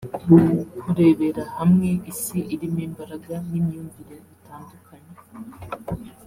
kurebera hamwe Isi irimo imbaraga n’imyumvire bitandukanye